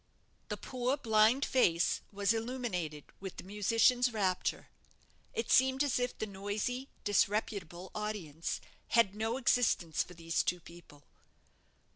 The poor blind face was illuminated with the musician's rapture. It seemed as if the noisy, disreputable audience had no existence for these two people.